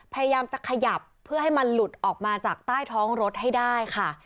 พยายามจะขยับเพื่อให้มันหลุดออกมาจากใต้ท้องรถให้ได้ค่ะ